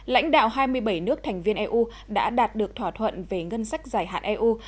lãnh đạo hai mươi bảy nước thành viên eu đã đạt được thỏa thuận về ngân sách dài hạn eu